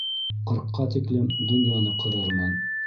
Ҡырҡка тиклем донъяны ҡырырмын